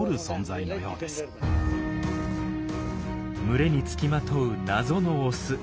群れにつきまとう謎のオス。